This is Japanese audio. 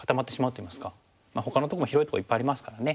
ほかのとこも広いとこいっぱいありますからね